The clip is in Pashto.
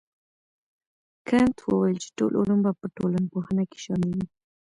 کنت وويل چي ټول علوم به په ټولنپوهنه کي شامل وي.